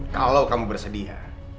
kalau kamu bersedia